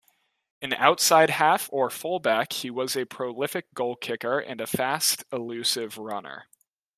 An outside-half or full-back, he was a prolific goal-kicker and a fast elusive runner.